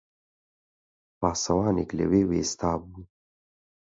پاسەوانێک لەوێ وێستابوو